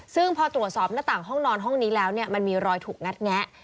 ซึ่งพอตรวจสอบหน้าต่างห้องนอนห้องนี้แล้วมันมีรอยถูกงัดแงะ